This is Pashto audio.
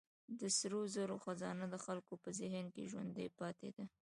د سرو زرو خزانه د خلکو په ذهن کې ژوندۍ پاتې ده.